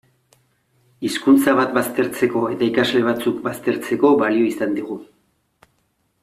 Hizkuntza bat baztertzeko eta ikasle batzuk baztertzeko balio izan digu.